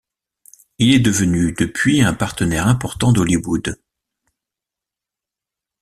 Il est devenu depuis un partenaire important d'Hollywood.